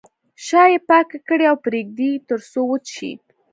شا یې پاکه کړئ او پرېږدئ تر څو وچ شي.